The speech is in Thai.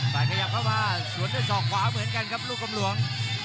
แต่ขยับเข้ามาสวนด้วยศอกขวาเหมือนกันครับลูกกำหลวง